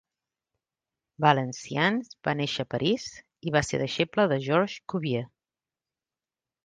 Valenciennes va néixer a París i va ser deixeble de Georges Cuvier.